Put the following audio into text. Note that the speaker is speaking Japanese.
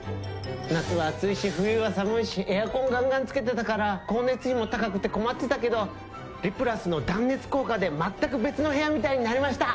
夏は暑いし冬は寒いしエアコンガンガンつけてたから光熱費も高くて困ってたけど「リプラス」の断熱効果で全く別の部屋みたいになりました！